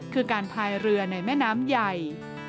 คือการพายเรือในแม่น้ำใหญ่